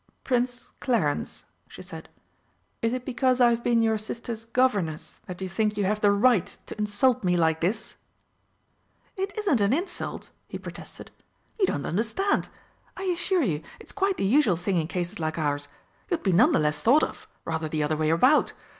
"Prince Clarence," she said, "is it because I have been your sister's Governess that you think you have the right to insult me like this?" "It isn't an insult," he protested; "you don't understand. I assure you it's quite the usual thing in cases like ours. You'd be none the less thought of rather the other way about.